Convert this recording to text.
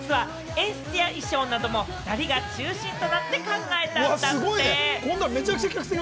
演出や衣装なども２人が中心となって考えたんだって。